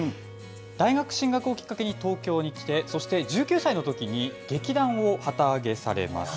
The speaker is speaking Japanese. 大学進学をきっかけに東京に来て、そして１９歳のときに劇団を旗揚げされます。